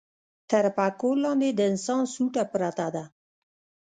تر پکول لاندې د انسان سوټه پرته ده.